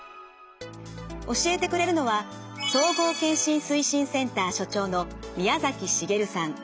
教えてくれるのは総合健診推進センター所長の宮崎滋さん。